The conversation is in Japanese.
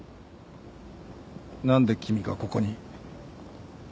何で君がここに？